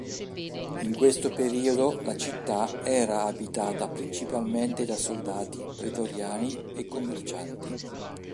In questo periodo la città era abitata principalmente da soldati, pretoriani e commercianti.